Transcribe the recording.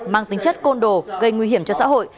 mang tính chất côn đồ gây nguy hiểm cho xã hội